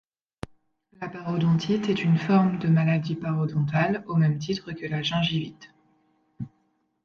La parodontite est une forme de maladie parodontale, au même titre que la gingivite.